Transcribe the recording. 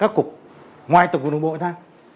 các cục ngoài tầng của đường bộ ra